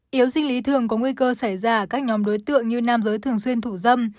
yếu sinh lý thường có nguy cơ xảy ra ở các nhóm đối tượng như nam giới thường xuyên thủ dâm